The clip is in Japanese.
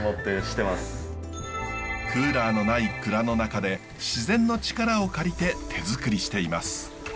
クーラーのない蔵の中で自然の力を借りて手づくりしています。